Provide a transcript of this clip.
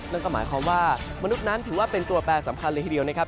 นั่นก็หมายความว่ามนุษย์นั้นถือว่าเป็นตัวแปรสำคัญเลยทีเดียวนะครับ